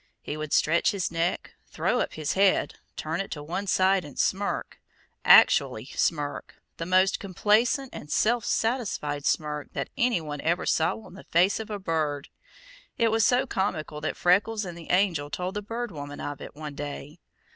He would stretch his neck, throw up his head, turn it to one side and smirk actually smirk, the most complacent and self satisfied smirk that anyone ever saw on the face of a bird. It was so comical that Freckles and the Angel told the Bird Woman of it one day.